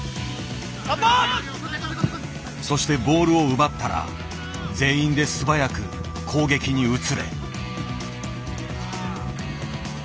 そしてボールを奪ったら全員で素早く攻撃に移れ。